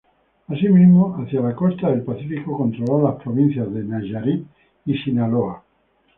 Así mismo, hacia la costa del Pacífico controló las provincias de Nayarit y Sinaloa.